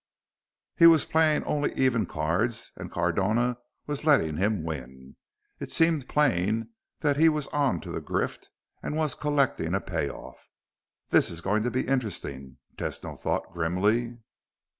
He was playing only even cards, and Cardona was letting him win. It seemed plain that he was onto the grift and was collecting a payoff. This is going to be interesting, Tesno thought grimly.